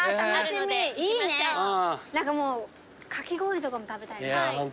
何かもうかき氷とかも食べたい。